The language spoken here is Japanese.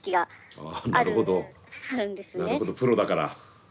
なるほどプロだから。